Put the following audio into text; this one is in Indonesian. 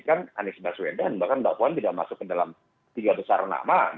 kan anies baswedan bahkan mbak puan tidak masuk ke dalam tiga besar nama